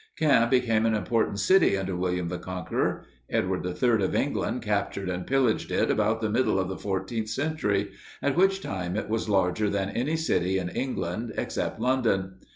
Caen became an important city under William the Conqueror. Edward III of England captured and pillaged it about the middle of the fourteenth century, at which time it was larger than any city in England, except London.